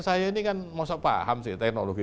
saya ini kan masa paham sih teknologi